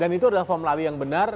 dan itu adalah form lari yang benar